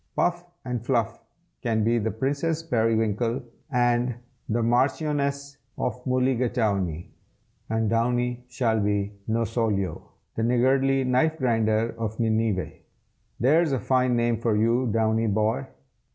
"Puff and Fluff can be the Princess Perriwinkle and the Marchioness of Mulligatawney, and Downy shall be Nosolio, the Niggardly Knife Grinder of Nineveh. There's a fine name for you, Downy, boy!"